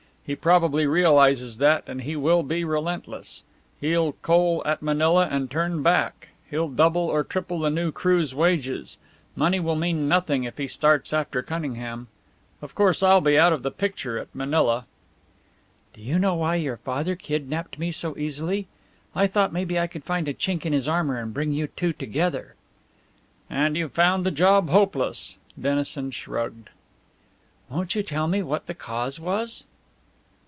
He probably realizes that, and he will be relentless. He'll coal at Manila and turn back. He'll double or triple the new crew's wages. Money will mean nothing if he starts after Cunningham. Of course I'll be out of the picture at Manila." "Do you know why your father kidnaped me so easily? I thought maybe I could find a chink in his armour and bring you two together." "And you've found the job hopeless!" Dennison shrugged. "Won't you tell me what the cause was?"